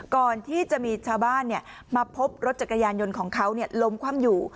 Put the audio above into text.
ก่อนที่จะมีชาวบ้านมาพบรถจักรยานยนต์ของเขาล้มคว่ำอยู่